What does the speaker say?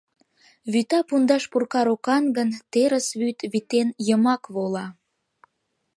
Вӱта пундаш пурка рокан гын, терыс вӱд, витен, йымак вола.